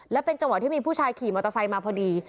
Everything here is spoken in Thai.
และเป็นจังหวะที่มีผู้ชายขี่มอเตอร์ไซค์มาพอดี